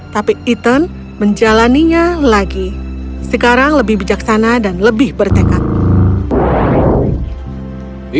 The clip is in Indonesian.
tapi ethan menjalannya lagi sekarang lebih bijaksana dan lebih bertekad